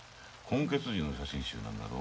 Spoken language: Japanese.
混血児の写真集なんだろ？